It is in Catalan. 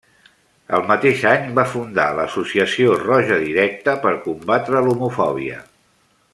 El mateix any va fundar l'associació Roja Directa per combatre l'homofòbia.